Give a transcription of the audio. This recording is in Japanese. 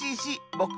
ぼく